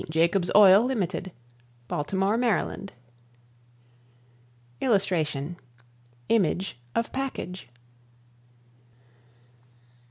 Jacobs Oil Ltd. Baltimore, Md. [Illustration: Image of package.